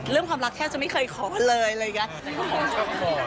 เรื่องความรักแค่จะไม่เคยขอเลยเลยไง